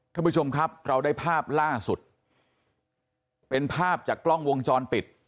ท่านผู้ชมครับเราได้ภาพล่าสุดเป็นภาพจากกล้องวงจรปิด